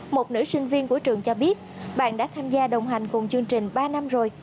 một nữ sinh viên của trường cho biết bạn đã tham gia đồng hành cùng chương trình ba năm rồi